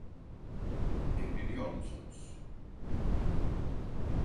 Evleniyor musunuz?